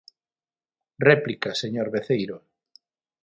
Réplica, señor Veceiro.